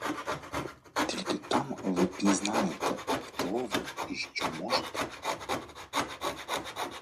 Тільки там ви пізнаєте, хто ви і що можете!